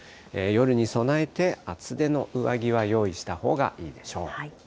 夜に備えて、厚手の上着は用意したほうがいいでしょう。